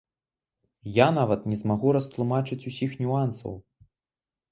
Я нават не змагу растлумачыць усіх нюансаў.